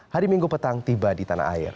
hari minggu petang tiba di tanah air